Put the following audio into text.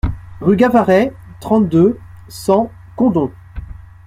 Rue Gavarret, trente-deux, cent Condom